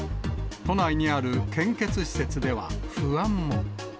都内にある献血施設では、不安も。